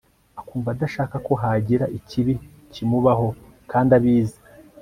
akumva adashaka ko hagira ikibi kimubaho kandi abizi